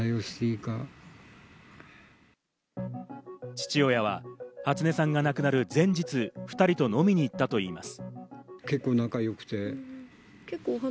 父親は、初音さんが亡くなる前日、２人と飲みに行ったといいます。